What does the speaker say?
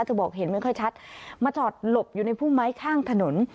บอกเห็นไม่ค่อยชัดมาจอดหลบอยู่ในพุ่มไม้ข้างถนน